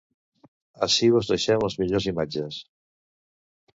Ací vos deixem les millors imatges.